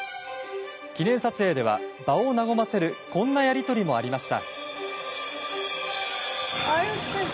記念撮影では、場を和ませるこんなやり取りもありました。